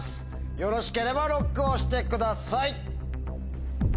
よろしければＬＯＣＫを押してください。